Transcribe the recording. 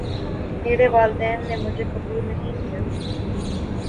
میرے والدین نے مجھے قبول نہیں کیا